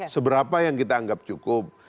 seberapa yang kita anggap cukup